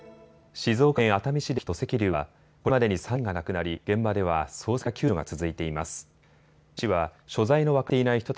静岡県熱海市で起きた土石流はこれまでに３人が亡くなり、現場では捜索や救助が続いています。